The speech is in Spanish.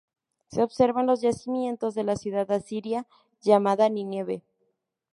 Se observa en los yacimientos de la ciudad asiria llamada Nínive.